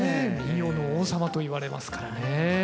民謡の王様といわれますからね。